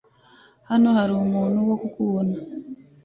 Hano hari umuntu wo kukubona .